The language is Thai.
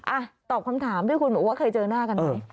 ตอบคำถามด้วยคุณบอกว่าเคยเจอหน้ากันไหม